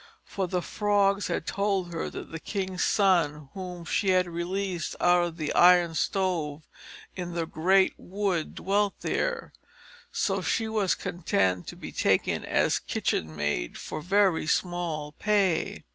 For the frogs had told her that the king's son, whom she had released out of the Iron Stove in the great wood, dwelt there; so she was content to be taken as kitchen maid, for very small pay.